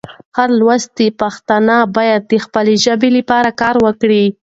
هر لوستی پښتون باید د خپلې ژبې لپاره کار وکړي.